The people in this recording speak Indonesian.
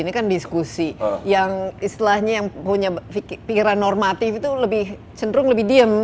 ini kan diskusi yang istilahnya yang punya pikiran normatif itu lebih cenderung lebih diem